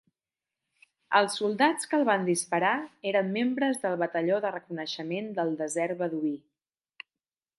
Els soldats que el van disparar eren membres del Batalló de reconeixement del desert beduí.